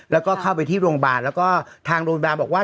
แล้วก็เข้าไปที่โรงพยาบาลแล้วก็ทางโรงพยาบาลบอกว่า